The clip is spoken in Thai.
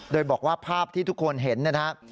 โดยบอกว่าภาพที่ทุกคนเห็นนะครับ